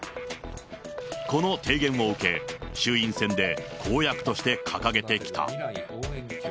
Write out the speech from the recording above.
この提言を受け、衆院選で公約として掲げてきた。